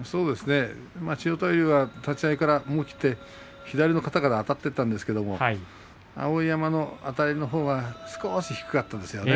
千代大龍が思い切って左の肩からあたっていったんですけども碧山のあたりのほうが低かったんですよね。